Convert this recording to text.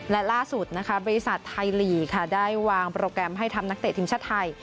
และล่าสุดบริษัทไทยหลีได้วางโปรแกรมให้ทำนักเตะทิมชาไทย